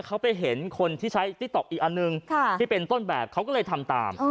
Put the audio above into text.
เขาไปเห็นคนที่ใช้ติ๊กต๊อกอีกอันหนึ่งที่เป็นต้นแบบเขาก็เลยทำตาม